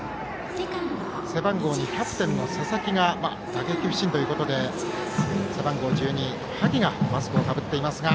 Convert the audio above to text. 背番号２、キャプテンの佐々木が打撃不振ということで背番号１２の萩がマスクをかぶっています。